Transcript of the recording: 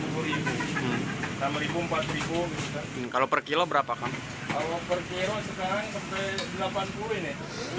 terjadi sekarang berpuluh ribu kalau per kilo berapa kamu kalau per kilo sekarang delapan puluh ini